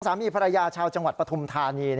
สามีภรรยาชาวจังหวัดปฐุมธานี